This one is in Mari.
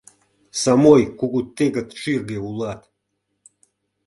Самой кугу тегыт шӱргӧ улат!